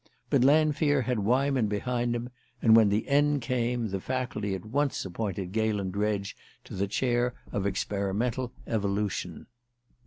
But Lanfear had Weyman behind him, and when the end came the Faculty at once appointed Galen Dredge to the chair of Experimental Evolution.